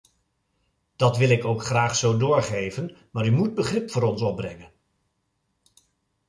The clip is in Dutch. Dat wil ik ook graag zo doorgeven, maar u moet begrip voor ons opbrengen.